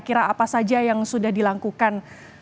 kira apa saja yang sudah dilakukan